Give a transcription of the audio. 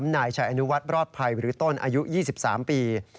นายชัยอนุวัฒน์รอดภัยหรือต้นอายุ๒๓ปี